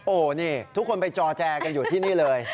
โอ้โหนี่ทุกคนไปจอแจกันอยู่ที่นี่เลย